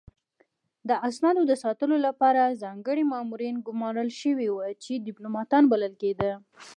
د اسنادو د ساتلو لپاره ځانګړي مامورین ګمارل شوي وو چې ډیپلوماتان بلل کېدل